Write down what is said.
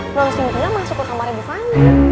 nonton cynthia masuk ke kamarnya di fanny